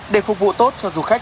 để phục vụ tốt cho du khách